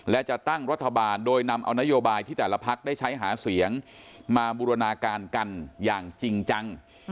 และจะตั้งรัฐบาลโดยนำเอานโยบายที่แต่ละพักได้ใช้หาเสียงมาบูรณาการกันอย่างจริงจัง